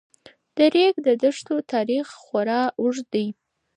د ریګ دښتو تاریخ خورا اوږد دی.